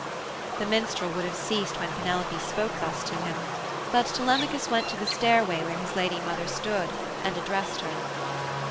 The minstrel would have ceased when Penelope spoke thus to him, but Telemachus went to the stairway where his lady mother stood, and addressed her.